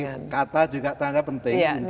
jadi kata juga penting